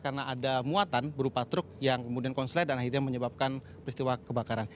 karena ada muatan berupa truk yang kemudian konslet dan akhirnya menyebabkan peristiwa kebakaran